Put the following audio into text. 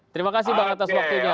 terima kasih bang atas waktunya